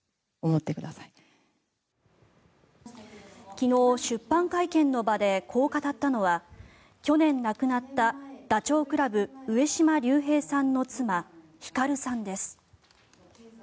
昨日、出版会見の場でこう語ったのは去年亡くなったダチョウ倶楽部上島竜兵さんの妻・光さんです。